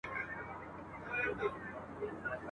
د تیارې له تور ګرېوانه سپین سهار ته غزل لیکم !.